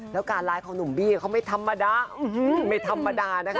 แล้วการไลฟ์ของหนุ่มบี้เขาไม่ธรรมดาไม่ธรรมดานะคะ